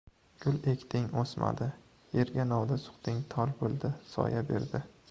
• Gul ekding — o‘smadi, yerga novda suqding — tol bo‘ldi, soya berdi.